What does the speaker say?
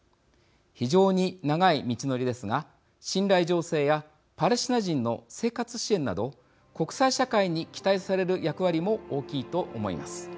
非常に長い道のりですが信頼醸成やパレスチナ人の生活支援など国際社会に期待される役割も大きいと思います。